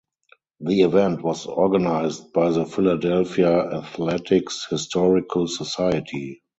The event was organized by the Philadelphia Athletics Historical Society.